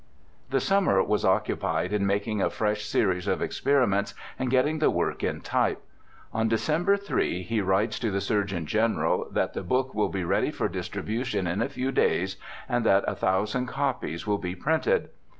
The summer was occupied in making a fresh series of experiments and getting the work in type. On December 3 he writes to the Surgeon General that the book will be ready for distribution in a few days, and that 1,000 copies will be printed.